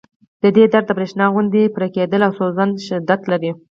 د دې درد د برېښنا غوندې پړقېدلی او سوځنده شدت لري